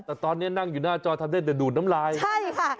แต่ตอนนี้นั่งอยู่หน้าจอทำได้แต่ดูดน้ำลายใช่ค่ะ